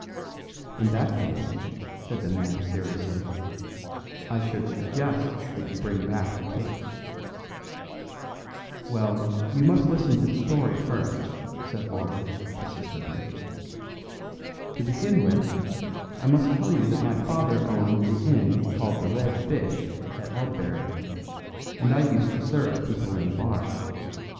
"In that case," said the man seriously, "I should suggest that you bring back the cake." "Well, you must listen to the story first," said Laura, persistently. "To begin with, I must tell you that my father owned the inn called the 'Red Fish' at Ludbury, and I used to serve people in the bar."